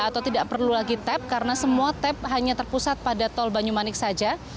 atau tidak perlu lagi tap karena semua tap hanya terpusat pada tol banyumanik saja